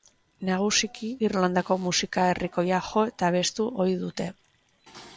Nagusiki Irlandako musika herrikoia jo eta abestu ohi dute.